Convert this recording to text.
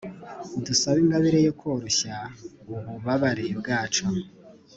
dusabe ingabire yo koroshya ububabare bwacu